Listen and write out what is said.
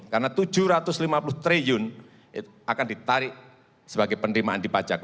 karena rp tujuh ratus lima puluh triliun akan ditarik sebagai penerimaan di pajak